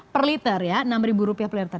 per liter ya enam rupiah per liter